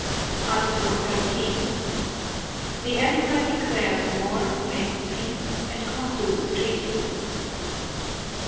Article 13. The Emperor declares war, makes peace, and concludes treaties.